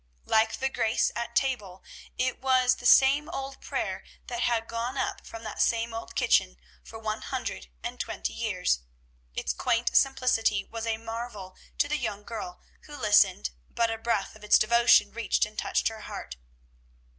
Like the grace at table, it was the same old prayer that had gone up from that same old kitchen for one hundred and twenty years. Its quaint simplicity was a marvel to the young girl who listened, but a breath of its devotion reached and touched her heart.